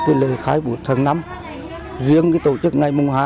cái lễ khai bút tháng năm riêng cái tổ chức ngày mùng hai